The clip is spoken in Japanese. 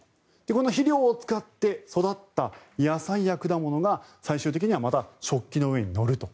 この肥料を使って育った野菜や果物が最終的にはまた食器の上に乗ると。